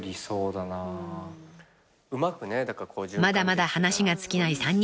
［まだまだ話が尽きない３人。